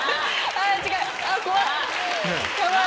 あ違う！